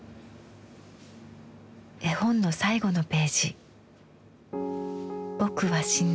絵本の最後のページ。